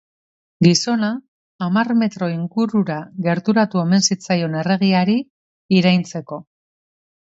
Gizona hamar metro ingurura gerturatu omen zitzaion erregeari iraintzeko.